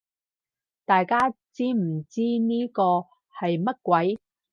大家知唔知呢個係乜鬼